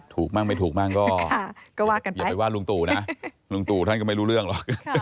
ถูกมั่งไม่ถูกมั่งก็อย่าไปว่าลุงตู่นะลุงตู่ท่านก็ไม่รู้เรื่องหรอก